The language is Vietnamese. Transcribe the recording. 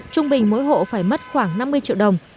trung bình mỗi hộ phải mất khoảng năm mươi triệu đồng